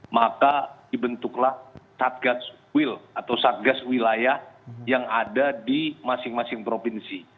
maka dibentuklah satgas wil atau satgas wilayah yang ada di masing masing provinsi